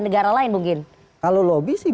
negara lain mungkin kalau lobby sih